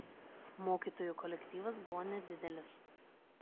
Mokytojų kolektyvas buvo nedidelis.